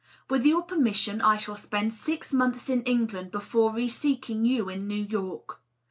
With your permission, I shall spend six months in England before re seeking you in New York.